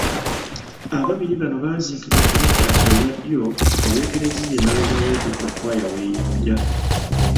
Ababiri bano baaziikibwa ku ludda olwa ddyo olw'Eklezia emabega w'ekifo Kkwaya w'eyimbira.